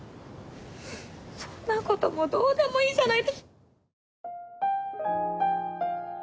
そんなこともうどうでもいいじゃない。